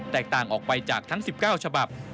แตกต่างออกไปจากทั้ง๑๙ฉบับ